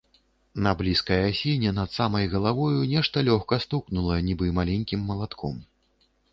На блізкай асіне над самай галавою нешта лёгка стукнула, нібы маленькім малатком.